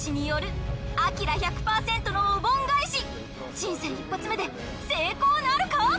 人生一発目で成功なるか！？